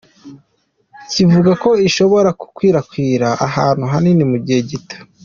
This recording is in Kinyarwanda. Kivuga ko ishobora gukwirakwira ahantu hanini mu gihe gito.